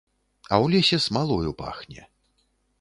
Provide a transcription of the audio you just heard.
А ў лесе смалою пахне.